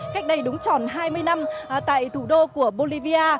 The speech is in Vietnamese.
cách đây đúng tròn hai mươi năm tại thủ đô của bolivia